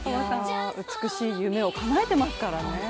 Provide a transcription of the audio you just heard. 美しい夢をかなえてますからね。